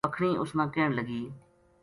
پکھنی اس نا کہن لگی